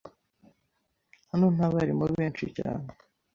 Hano nta barimu benshi cyane.